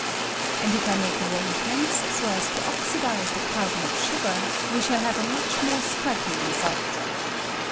And if I make arrangements so as to oxidize the car bon of sugar, we shall have a much more strik ing result.